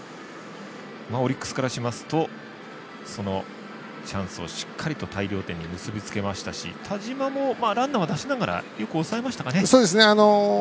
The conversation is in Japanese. オリックスからしますとそのチャンスをしっかりと大量点に結びつけましたし田嶋もランナーは出しながらよく抑えましたかね。